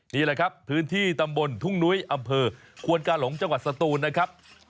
นี่แหละครับพื้นที่ตำบลทุ่งนุ้ยอำเภอควนกาหลงจังหวัดสตูนนะครับ